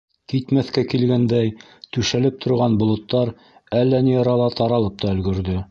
Китмәҫкә килгәндәй түшәлеп торған болоттар әллә ни арала таралып та өлгөрҙө.